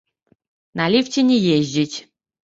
На ліфце не ездзіць!